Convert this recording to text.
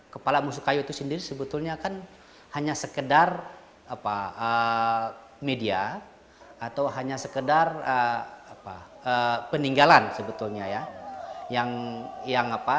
kepala musuh kayu itu sendiri sebetulnya kan hanya sekedar media atau hanya sekedar peninggalan sebetulnya ya